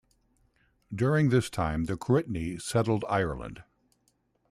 During this time the Cruithne settled in Ireland.